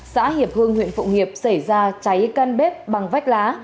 xã hiệp hưng huyện phụng hiệp xảy ra cháy căn bếp bằng vách lá